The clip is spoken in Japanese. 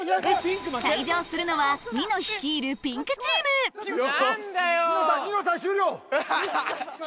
退場するのはニノ率いるピンクチームニノさん終了！